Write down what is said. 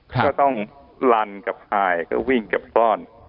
ก็ต้องลันกับฮายก็วิ่งกับก้อน